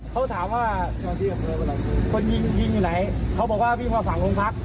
เค้าถามว่าคนยินอยู่ไหนเค้าบอกว่าวิ่งมาฝั่งโรงพรรค